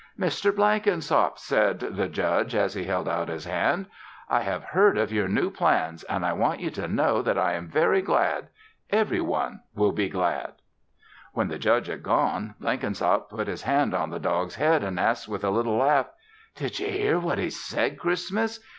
"Mr. Blenkinsop," said the Judge as he held out his hand, "I have heard of your new plans and I want you to know that I am very glad. Every one will be glad." When the Judge had gone, Blenkinsop put his hand on the dog's head and asked with a little laugh: "Did ye hear what he said, Christmas?